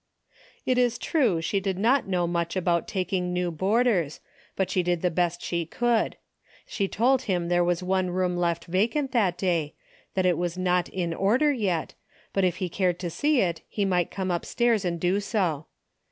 It is true she did not know much about tak ing new boarders, but she did the best she could. She told him there was one room left vacant that day, that it was not in order yet, but if he cared to see it, he might come up stairs and do so.